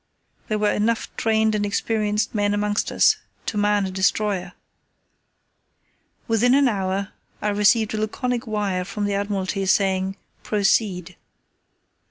There were enough trained and experienced men amongst us to man a destroyer. Within an hour I received a laconic wire from the Admiralty saying "Proceed."